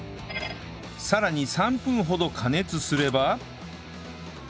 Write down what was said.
さらに３分ほど加熱すれば